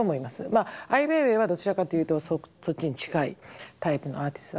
まあアイ・ウェイウェイはどちらかというとそっちに近いタイプのアーティストだと思います。